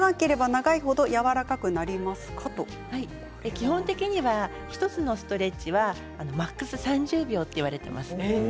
基本的には１つのストレッチはマックス３０秒といわれています。